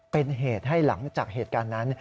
เป็นเหตุให้หลังจากเหตุการณ์นั้น